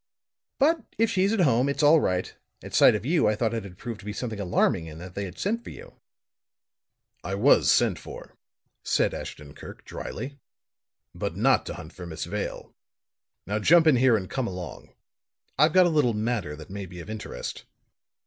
But if she's at home, it's all right. At sight of you I thought it had proved to be something alarming and that they had sent for you." "I was sent for," said Ashton Kirk, dryly, "but not to hunt for Miss Vale. Now jump in here and come along; I've got a little matter that may be of interest."